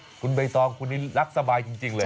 คุณใบตองคุณนี่รักสบายจริงเลย